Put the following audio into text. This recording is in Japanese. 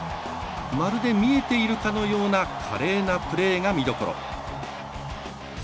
まるで見えているかのような華麗なプレーが見どころ。